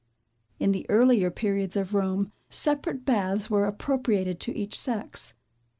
In the earlier periods of Rome, separate baths were appropriated to each sex.